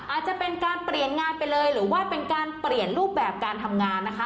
อาจจะเป็นการเปลี่ยนงานไปเลยหรือว่าเป็นการเปลี่ยนรูปแบบการทำงานนะคะ